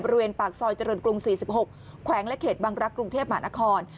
บริเวณปากซอยเจริญกรุง๔๖แขวงและเขตบังรักษ์กรุงเทพหมานคร